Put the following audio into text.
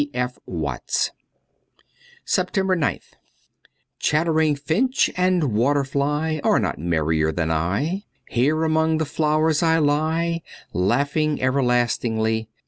'G. F. Watts: 28x SEPTEMBER 9th CHATTERING finch and water fly Are not merrier than I ; Here among the flowers I lie Laughing everlastingly.